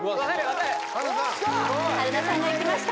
春菜さんがいきました・